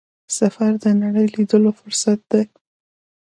سفر د نړۍ لیدلو فرصت دی.